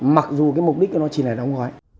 mặc dù cái mục đích của nó chỉ là đóng gói